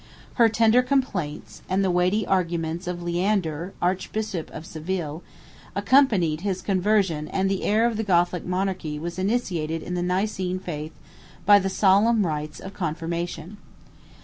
Her tender complaints, and the weighty arguments of Leander, archbishop of Seville, accomplished his conversion and the heir of the Gothic monarchy was initiated in the Nicene faith by the solemn rites of confirmation.